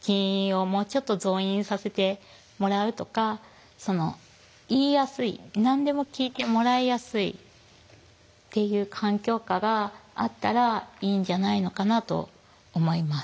人員をもうちょっと増員させてもらうとか言いやすい何でも聞いてもらいやすいっていう環境下があったらいいんじゃないのかなと思います。